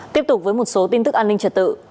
tiếp tục với một số tin tức an ninh trật tự